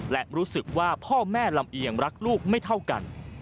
และรู้สึกว่าพ่อแม่ลำเอียงรักลูกไม่เท่ากัน